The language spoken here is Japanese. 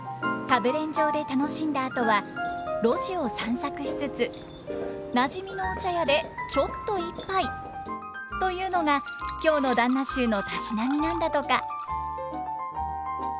歌舞練場で楽しんだあとは路地を散策しつつなじみのお茶屋で「ちょっと一杯」というのが京の旦那衆のたしなみなんだとか。